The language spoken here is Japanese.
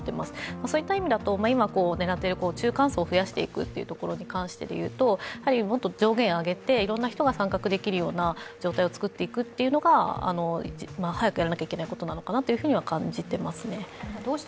そういった意味だと、今狙っている中間層を増やしていくというところでいうともっと上限を上げて、いろんな人が参画できる状態を作ることが早くやらなければいけいなことなのかなと思っていますね。